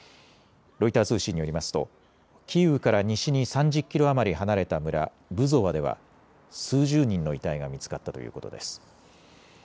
ロイター通信によりますとキーウから西に３０キロ余り離れた村、ブゾワでは数十人の遺体が見つかったということです。